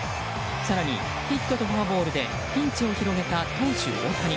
更にヒットとフォアボールでピンチを広げた投手・大谷。